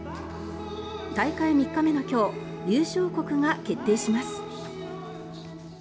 大会３日目の今日優勝国が決定します。